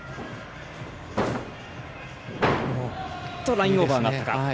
ラインオーバーがあったか。